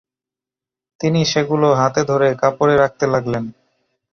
তিনি সেগুলো হাতে ধরে কাপড়ে রাখতে লাগলেন।